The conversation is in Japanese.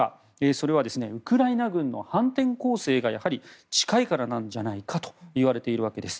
それはウクライナ軍の反転攻勢が近いからなんじゃないかといわれているわけです。